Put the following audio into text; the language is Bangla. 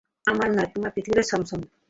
আমার নয়, তোমার পৃথিবীটা ছমছম।